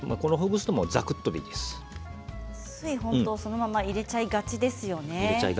ついそのまま入れちゃいがちですよね。